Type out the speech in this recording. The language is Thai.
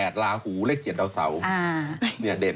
เลข๘ลาหูเลข๗ดาวเสาเนี่ยเด่น